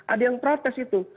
ada yang protes itu